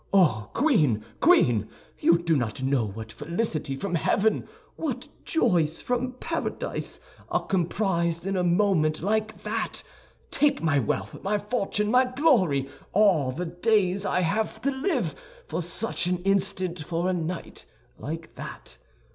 Oh, Queen! Queen! You do not know what felicity from heaven, what joys from paradise, are comprised in a moment like that. Take my wealth, my fortune, my glory, all the days I have to live, for such an instant, for a night like that.